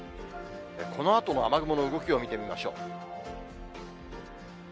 このあとの雨雲の動きを見て見ましょう。